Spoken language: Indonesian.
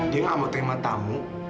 dia gak mau terima tamu